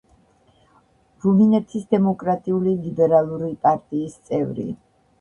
რუმინეთის დემოკრატიული ლიბერალური პარტიიის წევრი.